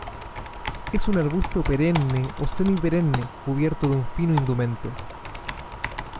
Es un arbusto perenne o semi-perenne cubierto de un fino indumento.